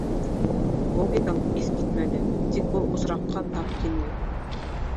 Логикаң иҫ китмәле, тик был осраҡҡа тап килмәй.